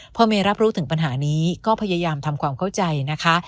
พอเมย์รับรู้ถึงปัญหานี้ก็พยายามทำความเข้าใจนะคะ